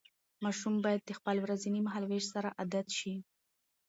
ماشوم باید د خپل ورځني مهالوېش سره عادت شي.